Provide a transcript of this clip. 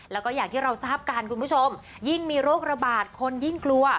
แล้วก็อย่างที่เราทราบกันคุณผู้ชมยิ่งมีโรคระบาดคนยิ่งกลัว